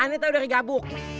ani tahu dari gabuk